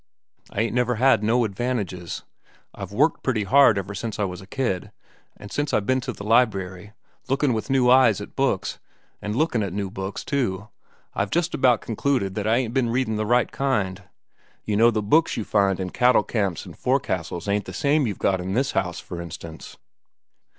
I ain't never had no advantages. I've worked pretty hard ever since I was a kid, an' since I've ben to the library, lookin' with new eyes at books—an' lookin' at new books, too—I've just about concluded that I ain't ben reading the right kind. You know the books you find in cattle camps an' fo'c's'ls ain't the same you've got in this house, for instance.